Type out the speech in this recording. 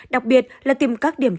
đặc biệt là tìm các điểm sống